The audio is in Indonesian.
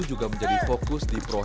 juga menjadi fokus di proses